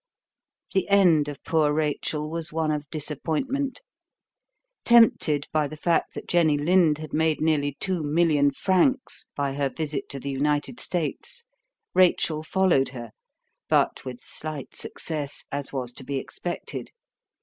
The end of poor Rachel was one of disappointment. Tempted by the fact that Jenny Lind had made nearly two million francs by her visit to the United States, Rachel followed her, but with slight success, as was to be expected.